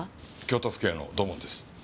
京都府警の土門です。